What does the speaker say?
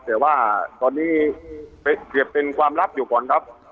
แต่ว่าตอนนี้เก็บเป็นความลับอยู่ก่อนครับ